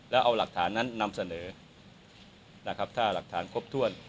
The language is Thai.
แล้วเอาหลักฐานนั้นนำเสนอนะครับถ้าหลักฐานครบถ้วน